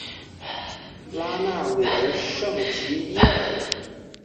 拉纳维尔圣皮耶尔。